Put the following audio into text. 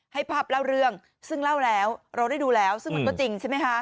ให้ภาพเล่าเรื่องซึ่งเล่าแล้วเราได้ดูแล้วซึ่งมันก็จริงใช่ไหมคะ